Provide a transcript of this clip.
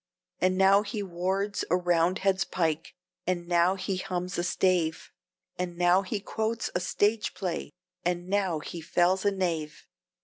And now he wards a Roundhead's pike, and now he hums a stave, And now he quotes a stage play, and now he fells a knave.